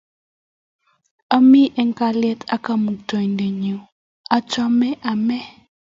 Ami eng' kalyet ak Kamuktaindet nyun. Achobot ame.